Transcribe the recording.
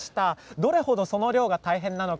どれほどその漁が大変なのか